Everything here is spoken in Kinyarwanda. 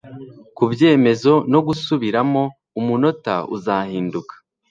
Kubyemezo no gusubiramo umunota uzahinduka.